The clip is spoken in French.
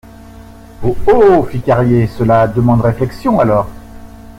Oh ! oh ! fit Carrier, cela demande réflexion alors.